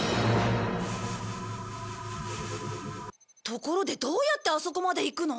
ところでどうやってあそこまで行くの？